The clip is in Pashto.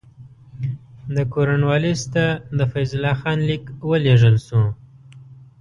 د کورنوالیس ته د فیض الله خان لیک ولېږل شو.